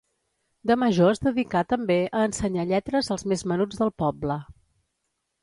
De major es dedicà, també, a ensenyar lletres als més menuts del poble.